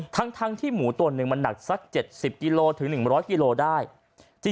ทั้งทั้งที่หมูตัวหนึ่งมันหนักสัก๗๐กิโลกรัมถึง๑๐๐กิโลกรัมได้